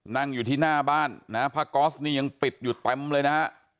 นั่งอยู่ที่หน้าบ้านนะฮะผ้าก๊อสนี่ยังปิดอยู่เต็มเลยนะฮะ